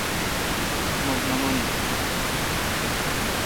مٹھ نہ من نا۔